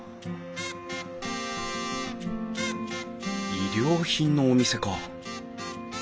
衣料品のお店か。